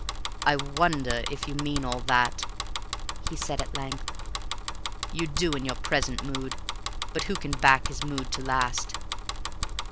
"I wonder if you mean all that!" he said at length. "You do in your present mood; but who can back his mood to last?